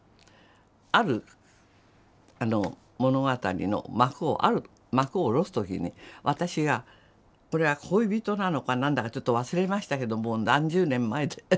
ある物語の幕をある幕を下ろす時に私がこれは恋人なのか何だかちょっと忘れましたけどもう何十年も前で。